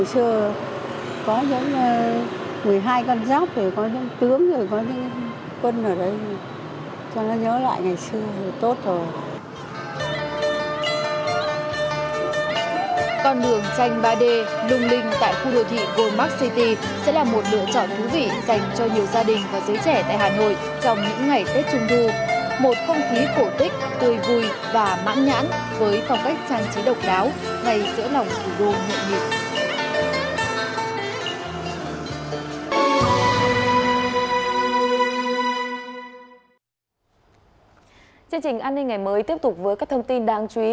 chương trình an ninh ngày mới tiếp tục với các thông tin đáng chú ý